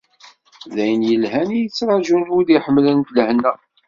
D ayen yelhan i yetrṛaǧun win iḥemmlen lehna.